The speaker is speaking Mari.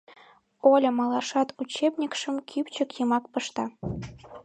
Оля малашат учебникшым кӱпчык йымак пышта.